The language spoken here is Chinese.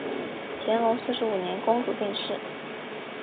乾隆四十五年公主病逝。